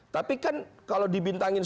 tapi kan kalau dibintangin